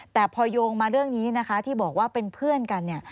แต่พอโยงมาเรื่องนี้นะคะที่บอกว่าเป็นเพื่อนกันเนี่ย